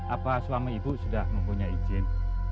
apa suami ibu sudah mempunyai izin